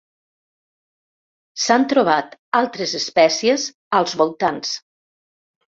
S'han trobat altres espècies als voltants.